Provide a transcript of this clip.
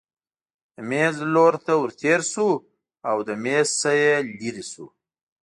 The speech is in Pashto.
د مېز لور ته ورتېر شو او له مېز نه لیرې شو.